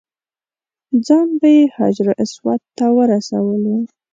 ځان به یې حجر اسود ته ورسولو.